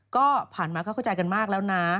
ก็ผ่านมาก็เข้าใจกันมากแล้วนะ